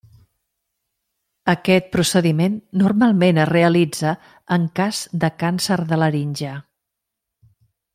Aquest procediment normalment es realitza en cas de càncer de laringe.